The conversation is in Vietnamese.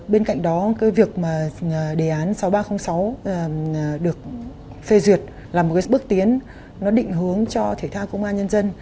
bên cạnh đó việc đề án sáu nghìn ba trăm linh sáu được phê duyệt là một bước tiến định hướng cho thể thao công an nhân dân